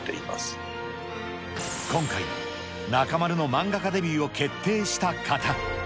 今回、中丸の漫画家デビューを決定した方。